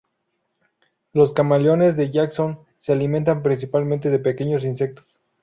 Los camaleones de Jackson se alimentan principalmente de pequeños insectos.